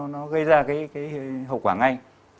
nó gây ra cái hậu quả ngay